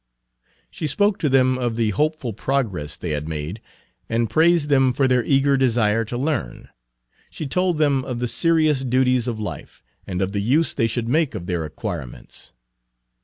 She spoke to them of the hopeful progress they had made, and praised them for their eager desire to learn. She told them of the serious duties of life, and of the use they should make of their acquirements.